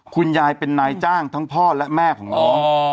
คุณยายเป็นนายจ้างทั้งพ่อและแม่ของน้อง